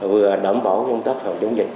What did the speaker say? vừa đảm bảo công tác phòng chống dịch